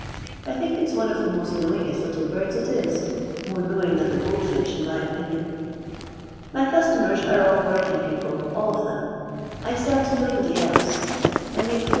I think it 's f the most knowingest little birds that is ; knowing than the goldfinch, in my opinion, [y customers are all working people, all of I sell to nobody else ; I inake 4i.